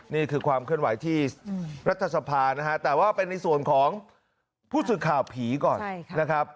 นี่คือความเคลื่อนไหวที่รัฐสภานะฮะแต่ว่าเป็นในส่วนของผู้สื่อข่าวผีก่อนนะครับ